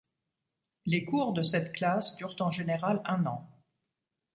Les cours de cette classe durent en général un an.